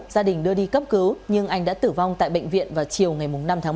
gia đình đưa đi cấp cứu nhưng anh đã tử vong tại bệnh viện vào chiều ngày năm ba